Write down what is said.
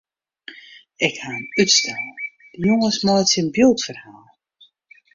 Ik ha in útstel: de jonges meitsje in byldferhaal.